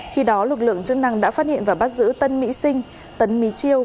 khi đó lực lượng chức năng đã phát hiện và bắt giữ tân mỹ sinh tấn mỹ chiêu